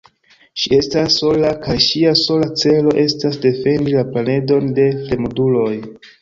Ŝi estas sola, kaj ŝia sola celo estas defendi la planedon de fremduloj.